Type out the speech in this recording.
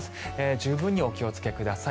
十分にお気をつけください。